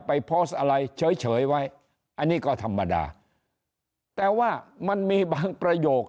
ไปโพสต์อะไรเฉยไว้อันนี้ก็ธรรมดาแต่ว่ามันมีบางประโยค